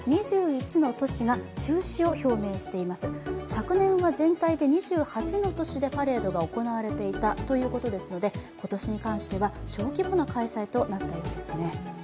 昨年は全体で２８の都市でパレードが行われていたそうなので今年に関しては小規模な開催となったようですね。